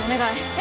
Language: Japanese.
え？